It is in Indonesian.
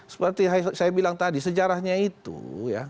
seperti saya bilang tadi sejarahnya itu ya